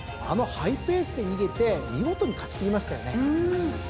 あのハイペースで逃げて見事に勝ち切りましたよね。